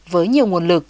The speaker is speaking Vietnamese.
với nhiều nguồn lực